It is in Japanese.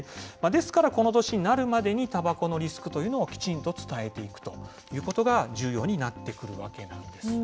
ですからこの年になるまでに、たばこのリスクというのをきちんと伝えていくということが、重要になってくるわけなんです。